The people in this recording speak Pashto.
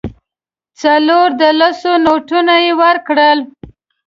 څلور د لسو نوټونه یې ورکړل.